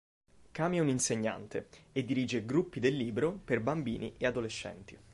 Kami è un insegnante e dirige "gruppi del libro" per bambini e adolescenti.